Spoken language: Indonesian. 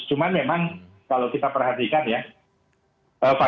cuman memang kalau kita perhatikan ya kalau kita perhatikan ya kalau kita perhatikan ya